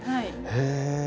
へえ。